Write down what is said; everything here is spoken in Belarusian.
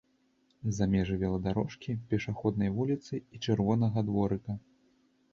За межы веладарожкі, пешаходнай вуліцы і чырвонага дворыка.